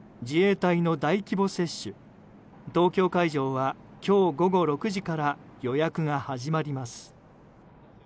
自衛隊の大規模接種東京会場は今日午後６時から予約が始まります。